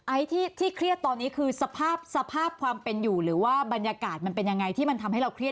ที่เครียดตอนนี้คือสภาพสภาพความเป็นอยู่หรือว่าบรรยากาศมันเป็นยังไงที่มันทำให้เราเครียด